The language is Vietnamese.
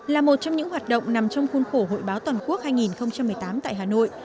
là một trong những hoạt động nằm trong khuôn khổ hội báo toàn quốc hai nghìn một mươi tám tại hà nội